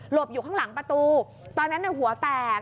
บอยู่ข้างหลังประตูตอนนั้นหัวแตก